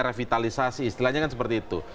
revitalisasi istilahnya kan seperti itu